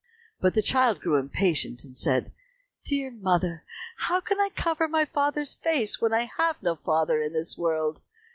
But the child grew impatient, and said, "Dear mother, how can I cover my father's face when I have no father in this world?